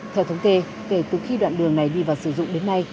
theo thống kê kể từ khi đoạn đường này đi vào sử dụng đến nay